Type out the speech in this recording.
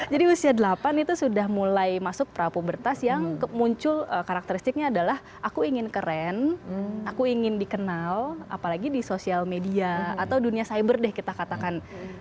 jadi usia delapan itu sudah mulai masuk pra pubertas yang muncul karakteristiknya adalah aku ingin keren aku ingin dikenal apalagi di sosial media atau dunia cyber deh kita katakan